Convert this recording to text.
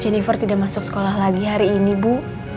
jennifer tidak masuk sekolah lagi hari ini bu